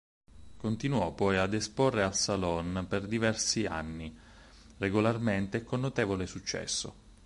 Continuò poi ad esporre al Salon per diversi anni, regolarmente e con notevole successo.